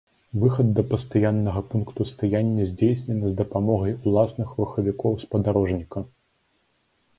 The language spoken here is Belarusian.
Выхад да пастаяннага пункту стаяння здзейснены з дапамогай уласных рухавікоў спадарожніка.